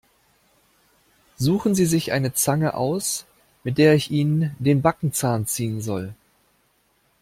Suchen Sie sich eine Zange aus, mit der ich Ihnen den Backenzahn ziehen soll!